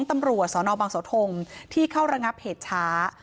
ตำรวจสนบังเสาทงที่เข้าระงับเหตุช้า